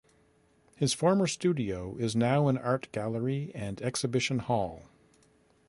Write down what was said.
His former studio is now an art gallery and exhibition hall.